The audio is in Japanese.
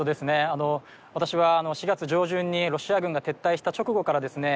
あの私は４月上旬にロシア軍が撤退した直後からですね